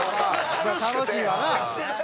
そら楽しいわな。